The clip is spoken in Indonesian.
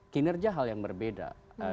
kinerja hal yang berbeda